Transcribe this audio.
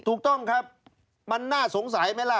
ถูกต้องครับมันน่าสงสัยไหมล่ะ